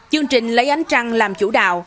chương trình lấy ánh trăng làm chủ đạo